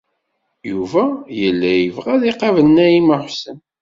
Yuba yella yebɣa ad iqabel Naɛima u Ḥsen.